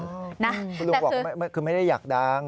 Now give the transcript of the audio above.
คุณลุงบอกคือไม่ได้อยากดัง